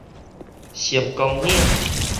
成功嶺